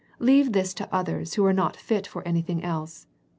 Leave this to others who are not fit for anything else.